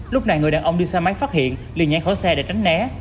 lúc này người đàn ông đi xe máy phát hiện liền nhảy khỏi xe để tránh né